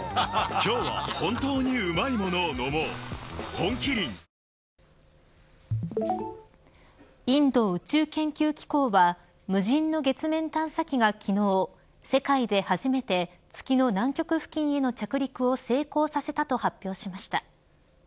本麒麟インド宇宙研究機構は無人の月面探査機が昨日世界で初めて月の南極付近への着陸を成功させたと発表しました。